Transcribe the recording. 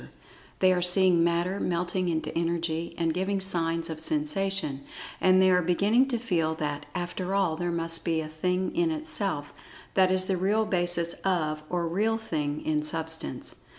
They are seeing Matter melting into Energy, and giving signs of Sensation, and they are beginning to feel that, after all, there must be a Thing in Itself, that is the real basis of, or "real thing" in Substance.